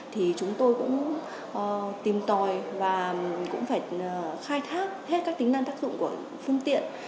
thì chúng tôi cũng tìm tòi và cũng phải khai thác hết các tính năng tác dụng của phương tiện